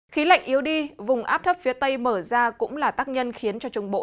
khí lạnh yếu đi vùng áp thấp phía tây mở ra cũng là tác nhân khiến cho trung bộ